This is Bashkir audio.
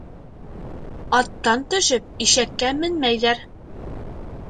Аттан төшөп, ишәккә менмәйҙәр.